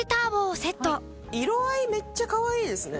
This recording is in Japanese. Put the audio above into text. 色合いめっちゃかわいいですね。